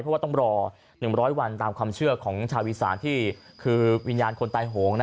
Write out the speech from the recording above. เพราะว่าต้องรอ๑๐๐วันตามความเชื่อของชาวอีสานที่คือวิญญาณคนตายโหง